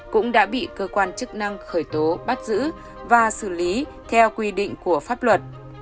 cũng đã bị cơ quan chức năng khởi tố bắt giữ và xử lý theo quy định của pháp luật